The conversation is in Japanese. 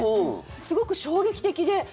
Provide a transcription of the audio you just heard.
すごく衝撃的で。